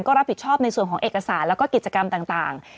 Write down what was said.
ก็รับผิดชอบในส่วนของเอกสารแล้วก็กิจกรรมต่าง